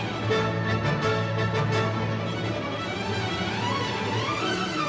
ตั้งกลาง